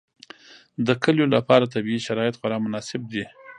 د کلیو لپاره طبیعي شرایط خورا مناسب دي.